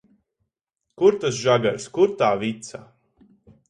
Kur tas žagars, kur tā vica?